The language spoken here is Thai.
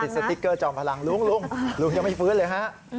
สติ๊กเกอร์จอมพลังลุงลุงยังไม่ฟื้นเลยฮะ